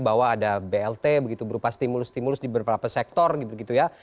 bahwa ada blt begitu berupa stimulus stimulus di beberapa sektor gitu gitu ya